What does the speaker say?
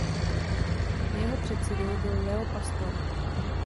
Jeho předsedou byl Leo Pastor.